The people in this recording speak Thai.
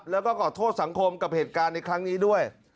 แล้วก็ขอโทษสังคมกับเหตุการณ์ในครั้งนี้ด้วย